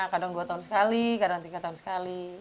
kadang dua tahun sekali kadang tiga tahun sekali